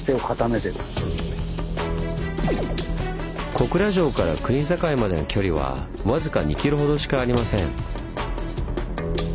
小倉城から国境までの距離は僅か２ｋｍほどしかありません。